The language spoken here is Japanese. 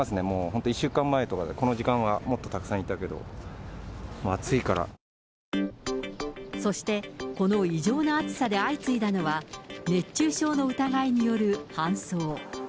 本当、１週間前とかだと、この時間はもっとたくさんいたけど、そして、この異常な暑さで相次いだのは、熱中症の疑いによる搬送。